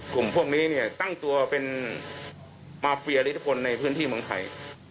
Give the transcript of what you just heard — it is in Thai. กลุ่มพวกนี้ตั้งตัวเป็นมาเฟียหรือทุกคนในพื้นที่เมืองไทย